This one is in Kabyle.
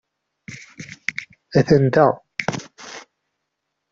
Atan da.